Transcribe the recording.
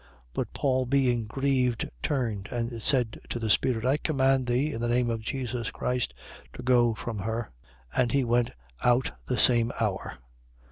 But Paul being grieved, turned and said to the spirit: I command thee, in the name of Jesus Christ, to go from her. And he went out the same hour.